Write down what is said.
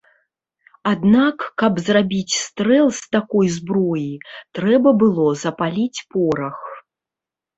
Аднак каб зрабіць стрэл з такой зброі, трэба было запаліць порах.